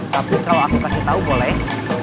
tapi kalau aku kasih tahu boleh